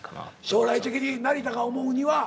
将来的に成田が思うには。